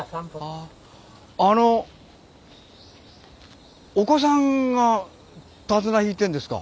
あのお子さんが手綱引いてんですか？